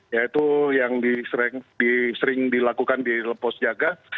yaitu yang sering dilakukan di lepos jaga